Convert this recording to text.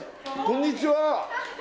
こんにちは